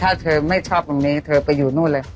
ถ้าเธอไม่ชอบตรงนี้เธอไปอยู่นู่นเลย